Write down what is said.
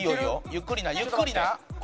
ゆっくりなゆっくりな。